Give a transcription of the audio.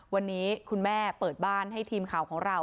วันนี้คุณแม่เปิดบ้านให้ทีมข่าวของเรา